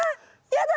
やだ！